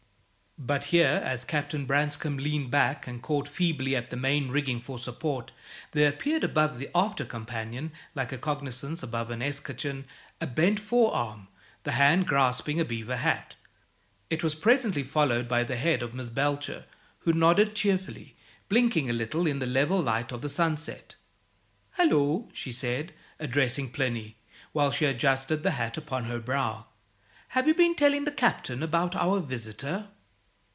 But here, as Captain Branscome leaned back and caught feebly at the main rigging for support, there appeared above the after companion (like a cognisance above an escutcheon) a bent fore arm, the hand grasping a beaver hat. It was presently followed by the head of Miss Belcher, who nodded cheerfully, blinking a little in the level light of the sunset. "Hallo!" said she, addressing Plinny, while she adjusted the hat upon her brow. "Have you been telling the Captain about our visitor?"